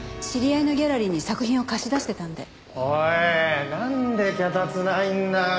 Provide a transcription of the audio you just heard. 知り合いのギャラリーに作品を貸し出してたんで。